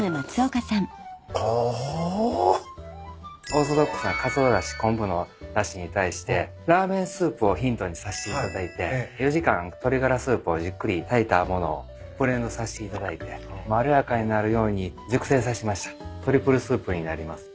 オーソドックスなかつおだし昆布のだしに対してラーメンスープをヒントにさせていただいて４時間鶏がらスープをじっくり炊いたものをブレンドさせていただいてまろやかになるように熟成させましたトリプルスープになります。